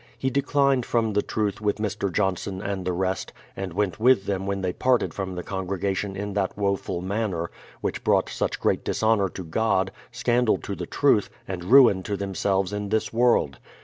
He declined from the truth with Mr. Johnson and the rest, and went with them when they parted from the congregation in that woful man ner, which brought such great dishonour to God, scandal to the truth, and ruin to themselves in this world.